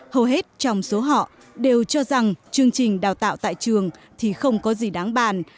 hầu hết trong số họ đều cho rằng chương trình đào tạo tại trường thì không có gì đáng bàn